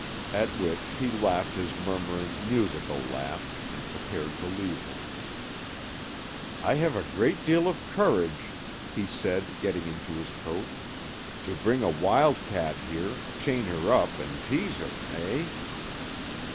At which he laughed his murmuring, musical laugh and prepared to leave her. "I have a great deal of courage," he said, getting into his coat, "to bring a wild cat here, chain her up, and tease her eh?"